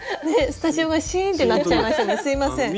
スタジオがしんってなっちゃいますよねすいません。